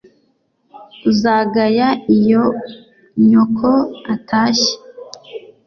Uzagaya iyo nyoko atashye